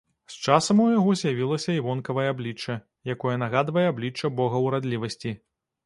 З часам у яго з'явілася і вонкавае аблічча, якое нагадвае аблічча бога ўрадлівасці.